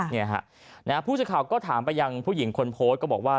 เนี่ยฮะผู้สื่อข่าวก็ถามไปยังผู้หญิงคนโพสต์ก็บอกว่า